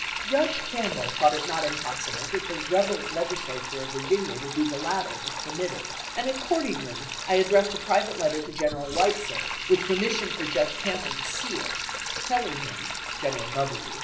Judge Campbell thought it not impossible that the rebel legislature of Virginia would do the latter, if permitted, and accordingly I ad 224 ABRAHAM LINCOLN chap. xi. dressed a private letter to General Weitzel, with permis sion for Judge Campbell to see it, telling him (General W.)